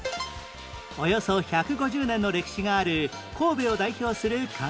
およそ１５０年の歴史がある神戸を代表する観光名所